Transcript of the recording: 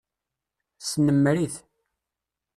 Snemmer-it.